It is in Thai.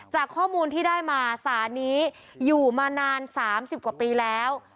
จากข้อมูลที่ได้มาสารนี้อยู่มานาน๓๐กว่าปีแล้ว